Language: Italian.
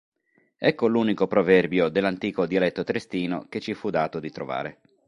Ecco l'unico proverbio dell'antico dialetto triestino che ci fu dato di trovare.